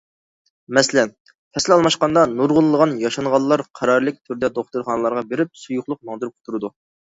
مەسىلەن: پەسىل ئالماشقاندا، نۇرغۇنلىغان ياشانغانلار قەرەللىك تۈردە دوختۇرخانىلارغا بېرىپ سويۇقلۇق ماڭدۇرۇپ تۇرىدۇ.